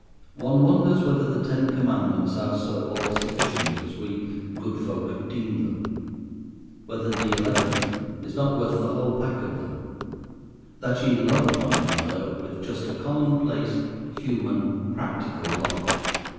One wonders whether the Ten Commandments are so all sufficient as we good folk deem them—whether the eleventh is not worth the whole pack of them: "that ye love one another" with just a common place, human, practical love.